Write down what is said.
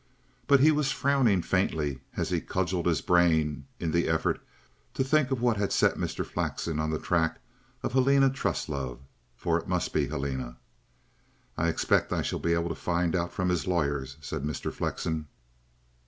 But he was frowning faintly as he cudgelled his brains in the effort to think what had set Mr. Flexen on the track of Helena Truslove, for it must be Helena. "I expect I shall be able to find out from his lawyers," said Mr. Flexen.